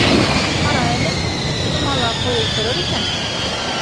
— Ҡара әле, ҡустыма ла аҡыл ултырыр икән!